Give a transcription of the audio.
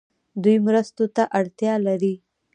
دوی مرستو ته اړتیا لري.